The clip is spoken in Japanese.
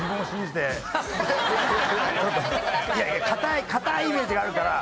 いやいや堅い堅いイメージがあるから。